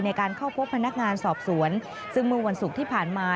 ในการเข้าพบพนักงานสอบสวนซึ่งเมื่อวันศุกร์ที่ผ่านมา